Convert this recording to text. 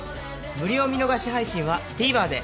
無料見逃し配信は ＴＶｅｒ で